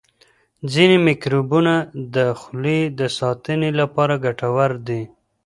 ځینې میکروبونه د خولې د ساتنې لپاره ګټور دي.